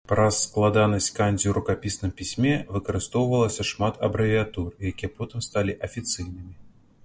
Праз складанасць кандзі ў рукапісным пісьме выкарыстоўвалася шмат абрэвіятур, якія потым сталі афіцыйнымі.